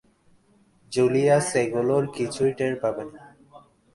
Julius এগুলোর কিছুই টের পাবে না।